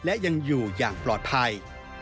และยังอยู่อย่างปลอดภัย